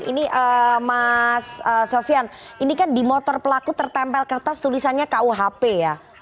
ini mas sofian ini kan di motor pelaku tertempel kertas tulisannya kuhp ya